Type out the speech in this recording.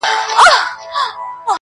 !شپېلۍ-